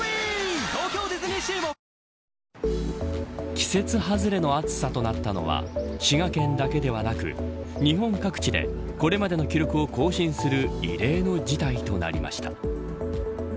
季節外れの暑さとなったのは滋賀県だけではなく日本各地でこれまでの記録を更新する異例の事態となりました。